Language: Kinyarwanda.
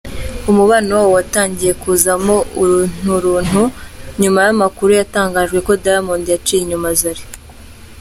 Umubano wabo watangiye kuzamo urunturuntu, nyuma y’amakuru yatangajwe ko Diamond yaciye inyuma Zari.